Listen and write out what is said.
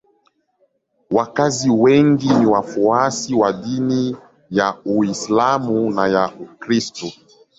Wakazi wengi ni wafuasi wa dini ya Uislamu na ya Ukristo.